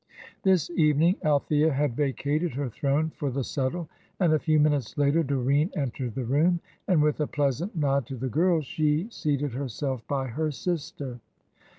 This evening Althea had vacated her throne for the settle, and a few minutes later Doreen entered the room, and with a pleasant nod to the girls, she seated herself by her sister.